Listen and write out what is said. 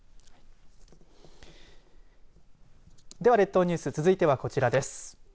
では列島ニュース続いてはこちらです。